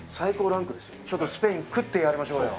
ちょっとスペイン食ってやりましょうよ。